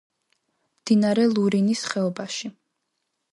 მდინარე ლურინის ხეობაში.